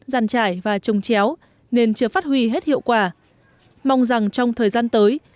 giàn trải và trồng chéo nên chưa phát huy hết hiệu quả mong rằng trong thời gian tới